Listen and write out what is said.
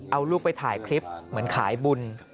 เอาลูกไปถ่ายคลิปเหมือนขายบุญ